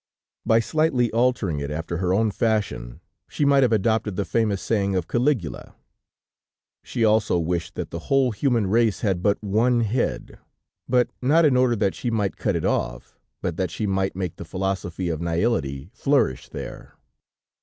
By slightly altering it after her own fashion, she might have adopted the famous saying of Caligula. She also wished that the whole human race had but one head; but not in order that she might cut it off, but that she might make the philosophy of Nihility flourish there.